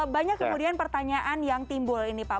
banyak kemudian pertanyaan yang timbul ini pak